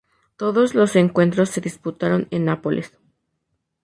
Todos los encuentros se disputaron en Nápoles.